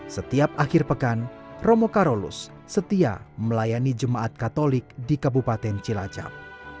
setiap akhir pekan romo karolus setia melayani jemaat katolik di kabupaten cilacap